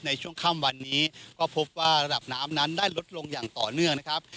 ในช่วงค่ำวันนี้ก็พบว่าระดับน้ำนั้นได้ลดลงอย่างต่อเนื่องนะครับ